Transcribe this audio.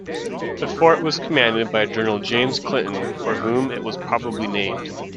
The fort was commanded by General James Clinton, for whom it was probably named.